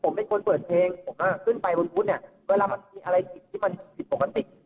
เพราะว่าผมเป็นคนเปิดเพลงผมอ่ะขึ้นไปบนพุทธเนี่ยเวลามันมีอะไรอีกที่มันมีโปรแกนติก